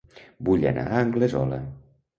Vull anar a Anglesola